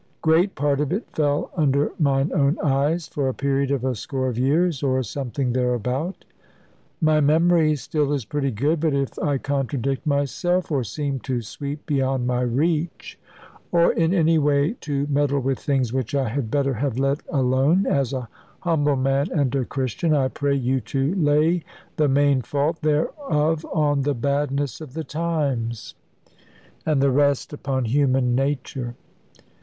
Great part of it fell under mine own eyes, for a period of a score of years, or something thereabout. My memory still is pretty good; but if I contradict myself, or seem to sweep beyond my reach, or in any way to meddle with things which I had better have let alone, as a humble man and a Christian, I pray you to lay the main fault thereof on the badness of the times, and the rest upon human nature.